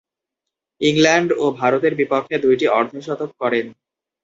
England ও ভারতের বিপক্ষে দুইটি অর্ধ-শতক করেন।